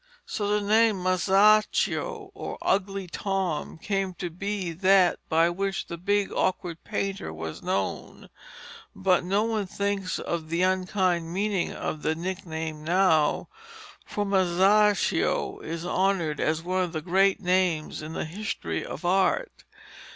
So the name Masaccio, or Ugly Tom, came to be that by which the big awkward painter was known. But no one thinks of the unkind meaning of the nickname now, for Masaccio is honoured as one of the great names in the history of Art.